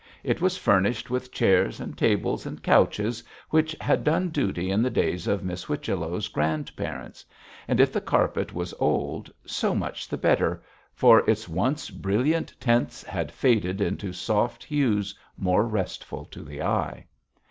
It was furnished with chairs, and tables, and couches, which had done duty in the days of Miss Whichello's grandparents; and if the carpet was old, so much the better, for its once brilliant tints had faded into soft hues more restful to the eye.